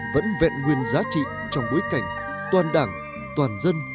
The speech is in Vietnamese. vẫn vẹn nguyên giá trị trong bối cảnh toàn đảng toàn dân